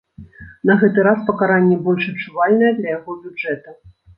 На гэты раз пакаранне больш адчувальнае для яго бюджэта.